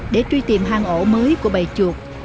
để truy tìm hang ổ mới của bầy chuột